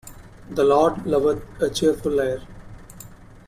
The Lord loveth a cheerful liar.